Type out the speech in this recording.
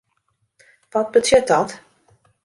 Wat betsjut dat?